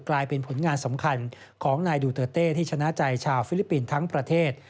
กลายเป็นผลงานสำคัญของนายดูเตอร์เต้ที่ชนะใจชาวฟิลิปปินส์ทั้งประเทศ